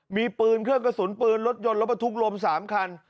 มีปืนเครื่องกระสุนปืนรถยนต์รถบรรทุกรวม๓คัน